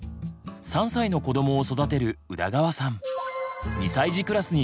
３歳の子どもを育てる宇田川さん。